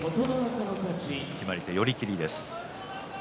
決まり手は寄り切りです。